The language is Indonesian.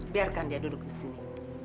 biarkan dia duduk di sini